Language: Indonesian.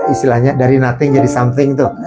istilahnya dari nothing jadi something tuh